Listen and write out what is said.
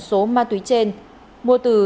số ma túy trên mua từ